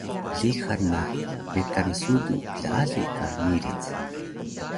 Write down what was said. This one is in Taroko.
Plixan na mekan sudu klaali ka miric